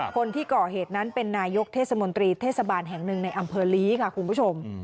คนที่ก่อเหตุนั้นเป็นนายกเทศมนตรีเทศบาลแห่งหนึ่งในอำเภอลีค่ะคุณผู้ชม